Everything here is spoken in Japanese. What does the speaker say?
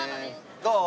どう？